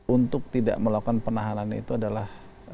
untuk tidak melakukan penahanan itu adalah